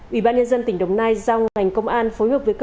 ủy ban nhân dân tỉnh đồng nai giao ngành công an phối hợp với công an